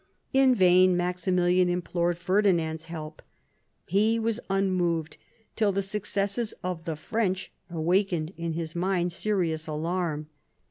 In vain Maximilian implored Ferdinand's help. He was unmoved till the successes of the French * awakened in his mind serious alarm.